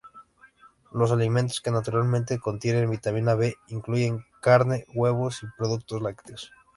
Los alimentos que naturalmente contienen vitamina B incluyen carne, huevos y productos lácteos.